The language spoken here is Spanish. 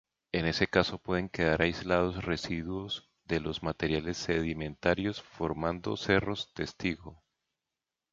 En ese caso pueden quedar aislados residuos de los materiales sedimentarios formando cerros testigo.